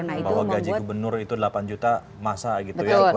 bahwa gaji gubernur itu delapan juta masa gitu ya